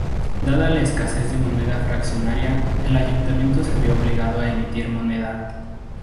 Dada la escasez de moneda fraccionaria, el Ayuntamiento se vio obligado a emitir moneda.